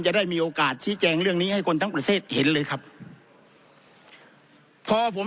จะได้มีโอกาสชี้แจงเรื่องนี้ให้คนทั้งประเทศเห็นเลยครับพอผม